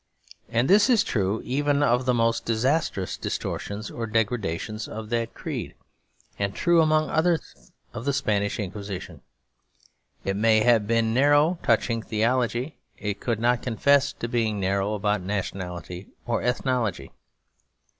And this is true even of the most disastrous distortions or degradations of that creed; and true among others of the Spanish Inquisition. It may have been narrow touching theology, it could not confess to being narrow about nationality or ethnology.